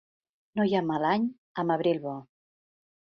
No hi ha mal any amb abril bo.